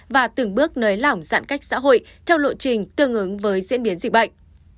và từng bước nới lỏng giãn cách xã hội theo lộ trình tương ứng với diễn biến dịch bệnh